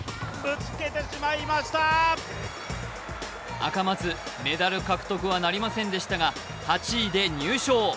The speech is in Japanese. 赤松、メダル獲得はなりませんでしたが８位で入賞。